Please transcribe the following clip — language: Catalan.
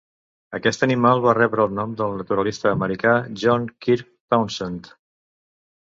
Aquest animal va rebre el nom del naturalista americà John Kirk Townsend.